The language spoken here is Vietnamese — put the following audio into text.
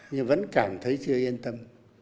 nhưng vẫn cảm thấy chưa yên tâm